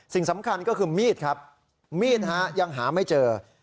สิ่งสำคัญก็คือมีดครับมีดยังหาไม่เจอ